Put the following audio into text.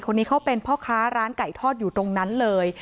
คนนี้เขาเป็นพ่อค้าร้านไก่ทอดอยู่ตรงนั้นเลย